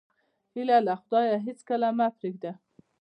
هیله له خدایه هېڅکله مه پرېږده.